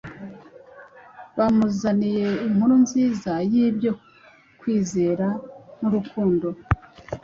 Bamuzaniye “inkuru nziza y’ibyo kwizera n’urukundo”